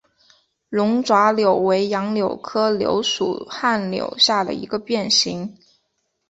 龙爪柳为杨柳科柳属旱柳下的一个变型。